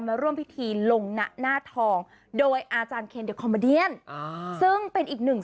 มาร่วมพิธีลงนะหน้าทองโดยอาจารย์เคนเดอร์คอมมาเดียนซึ่งเป็นอีกหนึ่ง